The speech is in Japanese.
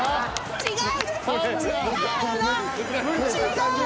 違う！